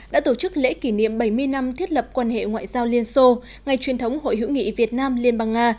đã tổ chức lễ kỷ niệm bảy mươi năm thiết lập quan hệ ngoại giao liên xô ngày truyền thống hội hữu nghị việt nam liên bang nga